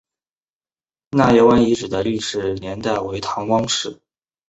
纳业湾遗址的历史年代为唐汪式。